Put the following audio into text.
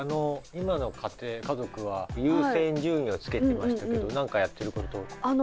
今の家庭家族は優先順位をつけてましたけど何かやってることとか？